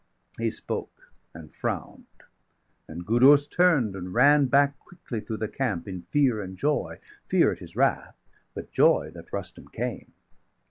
He spoke, and frown'd; and Gudurz turn'd, and ran 260 Back quickly through the camp in fear and joy Fear at his wrath, but joy that Rustum came.